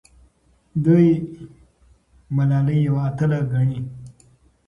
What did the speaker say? دوی ملالۍ یوه اتله ګڼي.